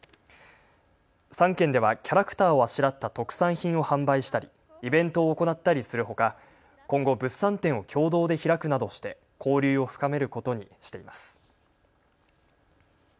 ３県ではキャラクターをあしらった特産品を販売したりイベントを行ったりするほか今後、物産展を共同で開くなどして交流を深めることにしています。